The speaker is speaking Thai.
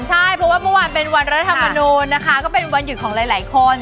ใช่เพราะว่าเมื่อวานเป็นวันรัฐธรรมนูลนะคะก็เป็นวันหยุดของหลายคน